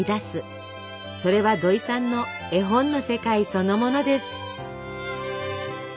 それはどいさんの絵本の世界そのものです。